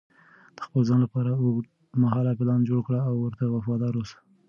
د خپل ځان لپاره اوږدمهاله پلان جوړ کړه او ورته وفادار اوسه.